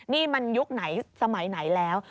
นี่มันยุคไหนสมัยไหนแล้ว